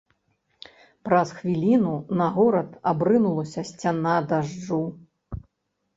Праз хвіліну на горад абрынулася сцяна дажджу.